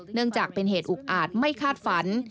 เนื่องจากเป็นเหตุอุกอาจไม่คาดฝัน